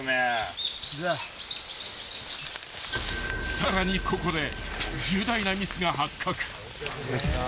［さらにここで重大なミスが発覚］